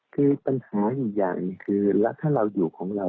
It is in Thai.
คือปัญหาอีกอย่างหนึ่งคือแล้วถ้าเราอยู่ของเรา